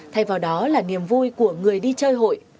thay vào đó là niềm vui của người đi chơi hội